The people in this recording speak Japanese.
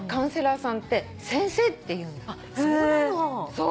そう。